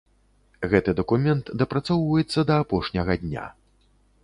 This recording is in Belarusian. Гэты дакумент дапрацоўваецца да апошняга дня.